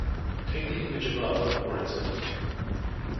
Take the image above for instance.